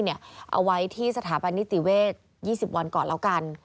เอาไว้ที่สถาบันนิติเวท๒๐วันก่อนแล้วกัน